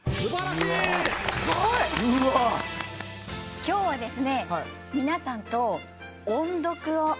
今日はですね